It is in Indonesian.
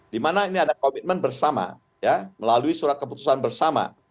di mana ini ada komitmen bersama melalui surat keputusan bersama